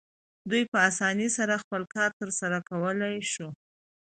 دوی په اسانۍ سره خپل کار ترسره کولی شو.